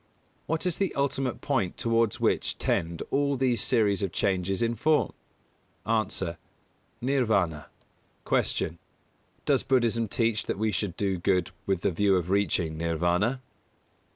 What is the ultimate point towards which tend all these series of changes in form? A. Nirvāna. 243. Q. _Does Buddhism teach that we should do good with the view of reaching Nirvāna?